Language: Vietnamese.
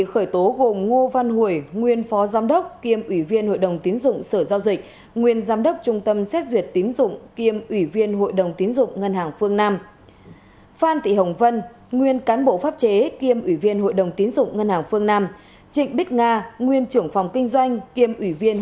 khởi tố bốn cựu cán bộ ngân hàng liên quan đến đại gia trầm b